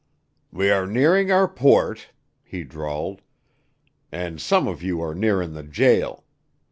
"We are nearing our port," he drawled, "an' some of you are nearin' the jail.